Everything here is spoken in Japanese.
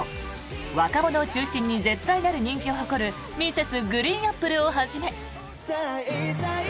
若者を中心に絶大なる人気を誇るＭｒｓ．ＧＲＥＥＮＡＰＰＬＥをはじめ。